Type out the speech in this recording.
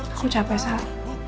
aku capek sal